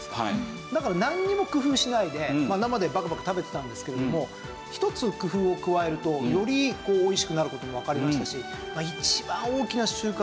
だから何も工夫しないで生でバクバク食べてたんですけれども１つ工夫を加えるとよりおいしくなる事もわかりましたし。